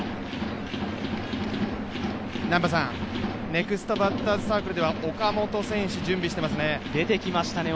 ネクストバッターズサークルでは岡本選手、準備していますね。